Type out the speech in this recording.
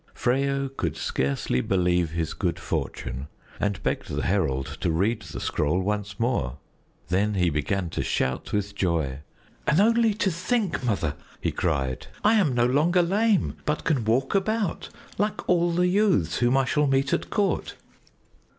Freyo could scarcely believe his good fortune and begged the herald to read the scroll once more. Then he began to shout with joy. "And only to think, Mother!" he cried, "I am no longer lame, but can walk about like all the youths whom I shall meet at court."